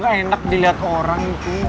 gak enak diliat orang itu